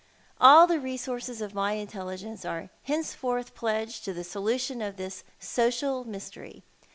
All the resources of my intelligence are henceforth pledged to the solution of this social mystery.